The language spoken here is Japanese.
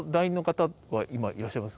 今いらっしゃいます？